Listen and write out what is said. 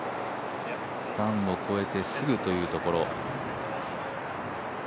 段を越えてすぐというところ。